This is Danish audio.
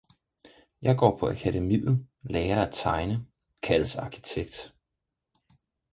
Jeg går på akademiet, lærer at tegne, kaldes arkitekt